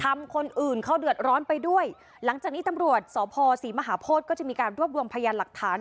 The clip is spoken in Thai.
ทำคนอื่นเขาเดือดร้อนไปด้วยหลังจากนี้ตำรวจสพศรีมหาโพธิก็จะมีการรวบรวมพยานหลักฐาน